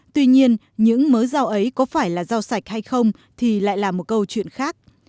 tuy nhiên những mớ rau ấy có phải là rau sạch hay không thì lại là một câu chuyện khác